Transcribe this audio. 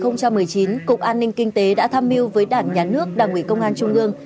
năm hai nghìn một mươi chín cục an ninh kinh tế đã tham mưu với đảng nhà nước đảng ủy công an trung ương